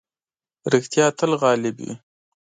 رښتيا تل غالب وي.